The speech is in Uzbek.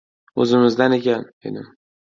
O‘zimizdan ekan, dedim.